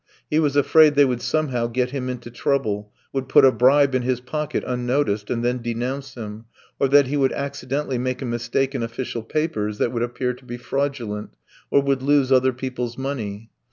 He was afraid they would somehow get him into trouble, would put a bribe in his pocket unnoticed and then denounce him, or that he would accidentally make a mistake in official papers that would appear to be fraudulent, or would lose other people's money.